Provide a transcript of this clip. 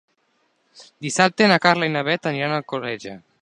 Dissabte na Carla i na Bet aniran a Alcoleja.